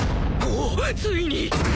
おついに！